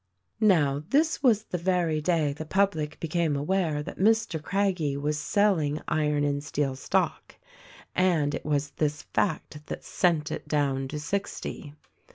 Now this was the very day the public became aware that Mr. Craggie was selling Iron and Steel stock ; and it was this fact that sent it down to sixty.